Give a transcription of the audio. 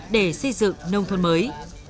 để xây dựng nông thôn mới